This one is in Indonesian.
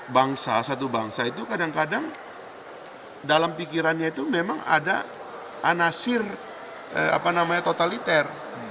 bangsa satu bangsa itu kadang kadang dalam pikirannya itu memang ada anasir totaliter